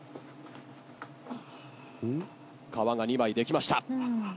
皮が２枚できました。